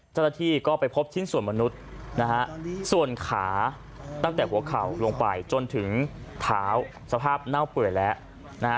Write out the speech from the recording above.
เจ้าหน้าที่ก็ไปพบชิ้นส่วนมนุษย์นะฮะส่วนขาตั้งแต่หัวเข่าลงไปจนถึงเท้าสภาพเน่าเปื่อยแล้วนะฮะ